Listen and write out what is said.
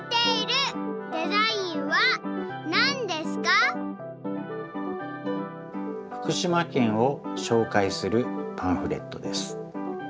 そんな寄藤さんがふくしまけんをしょうかいするパンフレットです。